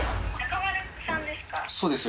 そうですよ。